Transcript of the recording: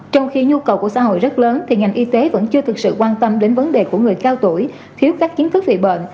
trong khi nhu cầu của xã hội rất lớn thì ngành y tế vẫn chưa thực sự quan tâm đến vấn đề của người cao tuổi thiếu các kiến thức dị bệnh